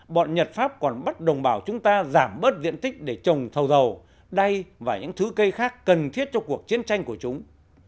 bọn nhật pháp còn bắt đồng bào chúng ta giảm bớt diện tích để trồng thầu dầu đay và những thứ cây khác cần thiết cho cuộc chiến tranh của chúng